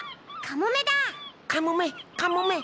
カモメカモメ。